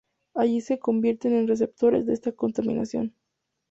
Allí se convierten en receptores de esta contaminación.